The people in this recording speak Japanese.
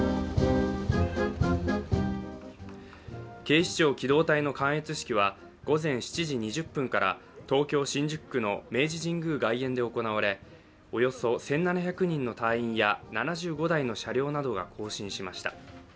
警視庁機動隊の観閲式は午前７時２０分から東京・新宿区の明治神宮外苑で行われおよそ１７００人のたいいん７５台の車両などが行進しました。